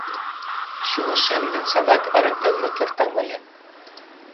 Шӱлышем ден садак ырыктен мый кертам ыле